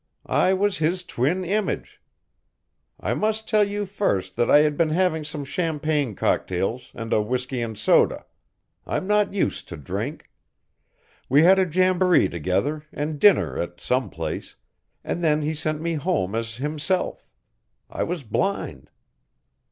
I was his twin image. I must tell you first that I had been having some champagne cocktails and a whisky and soda. I'm not used to drink. We had a jamboree together and dinner at some place, and then he sent me home as himself I was blind.